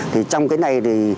trong cái này thì